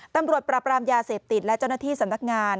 ตำรวจปราบรามยาเสพติดและเจ้าหน้าที่สำนักงาน